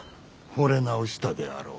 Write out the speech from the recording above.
ほれ直したであろう？